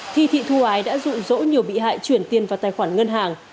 thi thị thu ái đã dụ dỗ nhiều bị hại chuyển tiền vào tài khoản ngân hàng